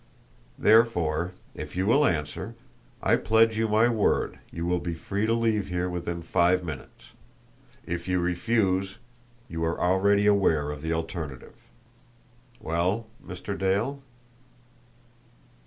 Therefore, if you will answer, I pledge you my word you will be free to leave here within five minutes. If you refuse, you are already aware of the alternative. Well, Mr. Dale?"